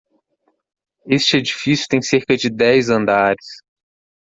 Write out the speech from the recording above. Este edifício tem cerca de dez andares.